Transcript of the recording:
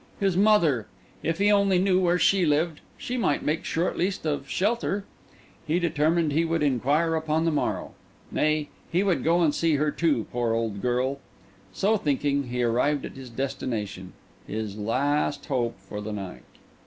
His mother! If he only knew where she lived, he might make sure at least of shelter. He determined he would inquire upon the morrow; nay, he would go and see her too, poor old girl! So thinking, he arrived at his destination—his last hope for the night.